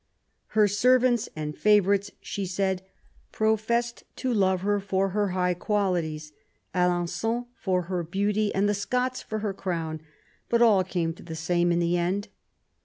" Her servants and favourites," she said, " professed to love her for her high qualities; Alen9on for her beauty ; and the Scots for her crown. But all came to the same in the end.